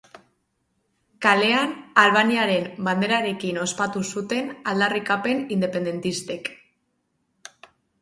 Kalean, Albaniaren banderarekin ospatu zuten aldarrikapen independentistek.